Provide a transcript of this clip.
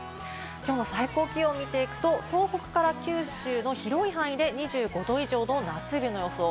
今日も最高気温を見ていくと東北から九州の広い範囲で２５度以上の夏日の予想。